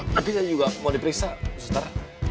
tapi saya juga mau diperiksa ustadz